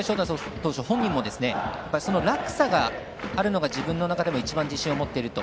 投手本人も落差があるのが自分の中でも一番、自信を持っていると。